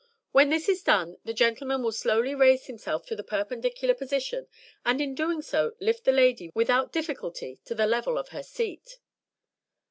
When this is done, the gentleman will slowly raise himself to the perpendicular position, and in doing so lift the lady without difficulty to the level of her seat.'"